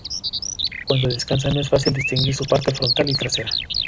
Cuando descansa, no es fácil distinguir su parte frontal y trasera.